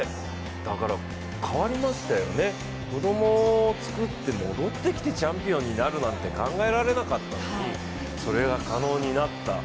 変わりましたよね、子供を作って戻ってきてチャンピオンになるなんて考えられなかったのに、それが可能になった。